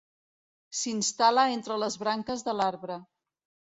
S'instal·la entre les branques de l'arbre.